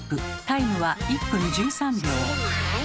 タイムは１分１３秒。